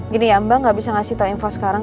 gini ya mbak gak bisa ngasih tau info sekarang